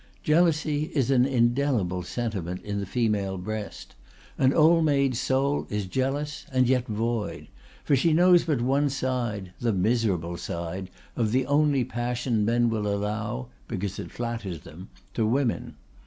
Jealousy is an indelible sentiment in the female breast. An old maid's soul is jealous and yet void; for she knows but one side the miserable side of the only passion men will allow (because it flatters them) to women.